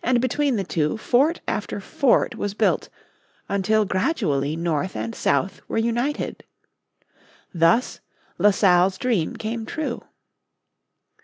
And between the two fort after fort was built, until gradually north and south were united. Thus La Salle's dream came true.